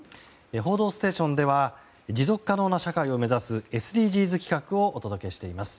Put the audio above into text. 「報道ステーション」では持続可能な社会を目指すＳＤＧｓ企画をお届けしています。